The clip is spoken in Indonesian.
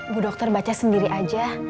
bu dokter baca sendiri aja